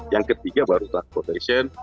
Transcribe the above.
yang ketiga baru transportation